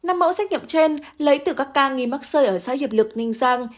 năm mẫu xét nghiệm trên lấy từ các ca nghi mắc sơi ở xã hiệp lực ninh giang